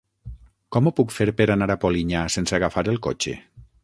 Com ho puc fer per anar a Polinyà sense agafar el cotxe?